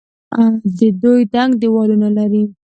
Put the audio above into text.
دوی دنګ دیوالونه لري.